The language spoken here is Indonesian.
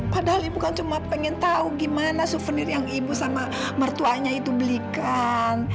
padahal ibu kan cuma pengen tahu gimana souvenir yang ibu sama mertuanya itu belikan